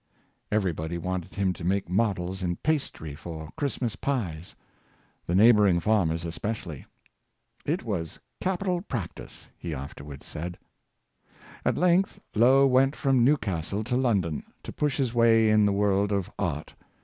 Everybody wanted him to make models in pastry for Christmas pies — the neighboring farmers especially. *' It was capital practice," he afterward said. At length Lough went from Newcastle to London, to push his way in the world of art.